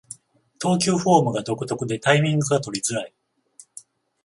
投球フォームが独特でタイミングが取りづらい